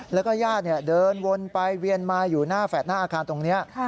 แล้วก็ญาติเดินวนไปเวียนมาอยู่หน้าแฟลตหน้าอาคารตรงนี้